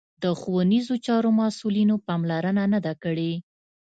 د ښوونیزو چارو مسوولینو پاملرنه نه ده کړې